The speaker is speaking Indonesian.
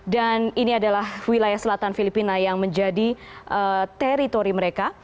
dan ini adalah wilayah selatan filipina yang menjadi teritori mereka